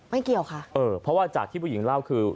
เกี่ยวค่ะเออเพราะว่าจากที่ผู้หญิงเล่าคือ